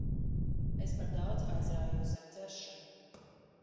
Es par daudz aizraujos ar dzeršanu.